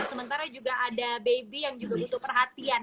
sementara juga ada baby yang juga butuh perhatian